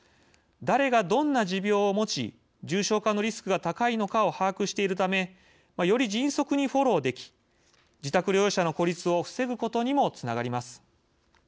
誰がどんな持病を持ち重症化のリスクが高いのかを把握しているためより迅速にフォローでき自宅療養者の孤立を防ぐことにもつながります。